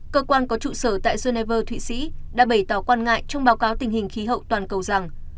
cơ quan có trụ sở tại geneva thụy sĩ đã bày tỏ quan ngại trong báo cáo tình hình khí hậu toàn cầu rằng